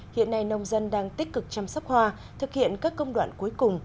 hiện nay nông dân đang tích cực chăm sóc hoa thực hiện các công đoạn cuối cùng